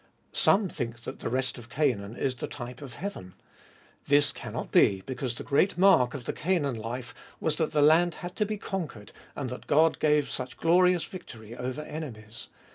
Some think that the rest of Canaan is the type of heaven. This cannot be, because the great mark of the Canaan life was that the land had to be conquered and that God gave such glorious victory over enemies.